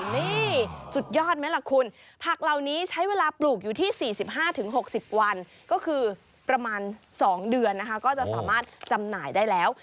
นี่สุดยอดไหมล่ะคุณผักเหล่านี้ใช้เวลาปลูกอยู่ที่๔๕๖๐วันก็คือประมาณ๒เดือนนะคะก็จะสามารถจำหน่ายได้แล้ว